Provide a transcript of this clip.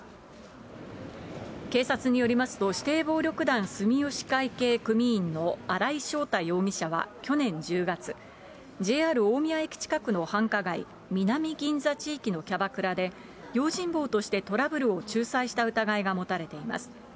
警察によりますと、指定暴力団住吉会系組員の新井翔太容疑者は去年１０月、ＪＲ大宮駅近くの繁華街、みなみぎんざ地域のキャバクラで、用心棒としてトラブルを仲裁した疑いが持たれています。